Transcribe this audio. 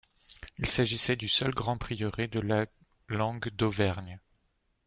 Il s'agissait du seul grand prieuré de la langue d'Auvergne.